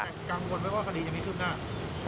กังวลไหมว่าคณีจะไม่ขึ้นหน้า